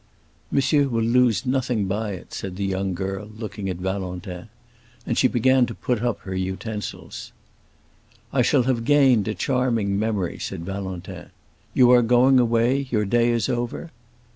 "Monsieur will lose nothing by it," said the young girl, looking at Valentin. And she began to put up her utensils. "I shall have gained a charming memory," said Valentin. "You are going away? your day is over?"